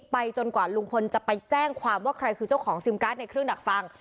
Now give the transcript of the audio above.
จนกว่าลุงพลจะไปแจ้งความว่าใครคือเจ้าของซิมการ์ดในเครื่องดักฟัง